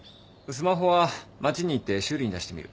スマホは街に行って修理に出してみる。